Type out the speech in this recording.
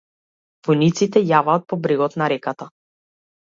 Војниците јаваат по брегот на реката.